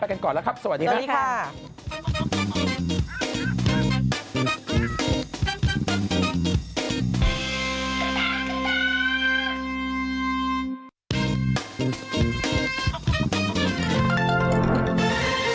ไปกันก่อนแล้วครับสวัสดีค่ะสวัสดีค่ะสวัสดีค่ะ